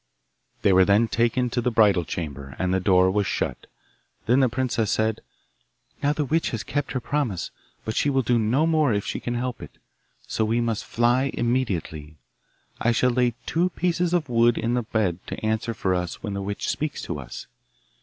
They were then taken to the bridal chamber, and the door was shut. Then the princess said, 'Now the witch has kept her promise, but she will do no more if she can help it, so we must fly immediately. I shall lay two pieces of wood in the bed to answer for us when the witch speaks to us.